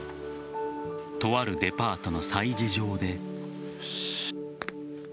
とあるデパートの催事場で。